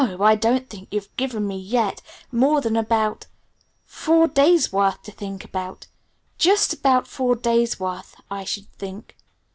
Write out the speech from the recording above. I don't think you've given me, yet, more than about four days' worth to think about. Just about four days' worth, I should think."